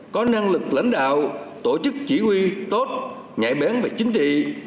có năng lực lãnh đạo tổ chức chỉ huy tốt nhạy bén về chính trị